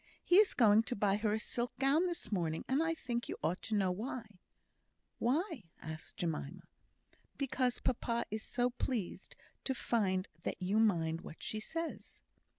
He is going to buy her a silk gown this morning, and I think you ought to know why." "Why?" asked Jemima. "Because papa is so pleased to find that you mind what she says."